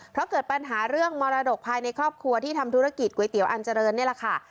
เพราะเกิดปัญหาเรื่องมรดกภายในครอบครัวที่ทำธุรกิจก๋วยเตี๋ยวอันเจริญนี่แหละค่ะ